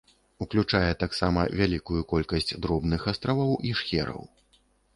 Уключае таксама вялікую колькасць дробных астравоў і шхераў.